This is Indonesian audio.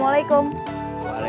masih ada apa apa lagi